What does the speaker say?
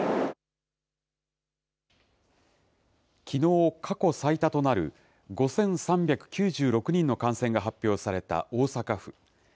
きのう、過去最多となる５３９６人の感染が発表された大阪府。